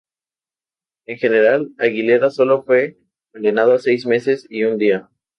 El general Aguilera sólo fue condenado a seis meses y un día.